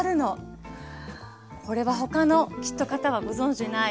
これは他の方はご存じない。